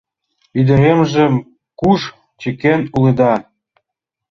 — Ӱдыремжым куш чыкен улыда?